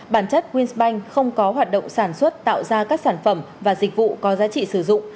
bản chất wins banh không có hoạt động sản xuất tạo ra các sản phẩm và dịch vụ có giá trị sử dụng